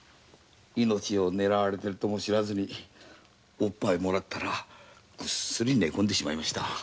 命を狙われているとも知らずにおっぱいもらったらグッスリ寝込んでしまいました。